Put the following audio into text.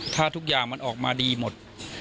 ถ้าทุกอย่างมันออกมาดีหมด